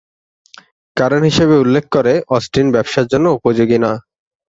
কারণ হিসেবে উল্লেখ করে অস্টিন ব্যবসার জন্য উপযোগী না।